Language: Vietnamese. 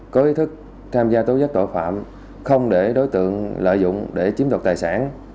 có ý thức tham gia tố giác tội phạm không để đối tượng lợi dụng để chiếm đoạt tài sản